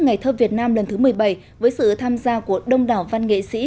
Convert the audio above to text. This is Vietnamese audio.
ngày thơ việt nam lần thứ một mươi bảy với sự tham gia của đông đảo văn nghệ sĩ